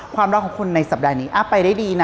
ความรักของคุณในสัปดาห์นี้ไปได้ดีนะ